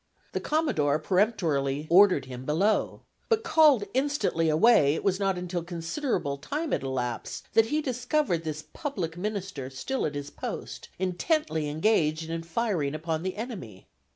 The Commodore peremptorily ordered him below; but called instantly away, it was not until considerable time had elapsed, that he discovered this public minister still at his post, intently engaged in firing upon the enemy.